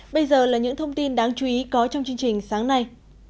bây giờ là những thông tin đáng chú ý có trong chương trình sáng nay